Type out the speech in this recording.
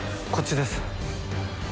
こっちです。